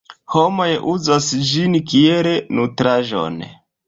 Homoj uzas ĝin kiel nutraĵon.